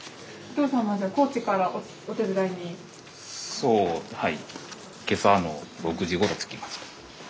そうはい。